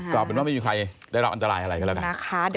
ก็เป็นว่าไม่มีใครได้รับอันตรายอะไรก็แล้วกันนะคะ